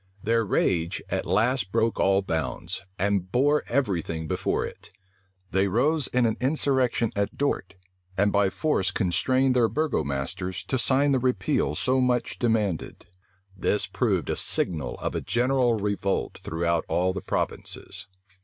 Their rage at last broke all bounds, and bore every thing before it. They rose in an insurrection at Dort, and by force constrained their burgomasters to sign the repeal so much demanded. This proved a signal of a general revolt throughout all the provinces.